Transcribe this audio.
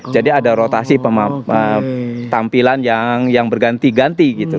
jadi ada rotasi tampilan yang berganti ganti gitu